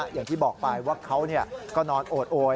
อย่างที่บอกไปว่าเขาก็นอนโอดโอย